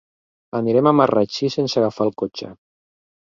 Anirem a Marratxí sense agafar el cotxe.